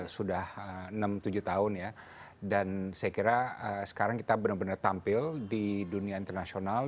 sudah enam tujuh tahun ya dan saya kira sekarang kita benar benar tampil di dunia internasional